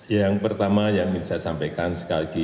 yang pertama yang ingin saya sampaikan sekali lagi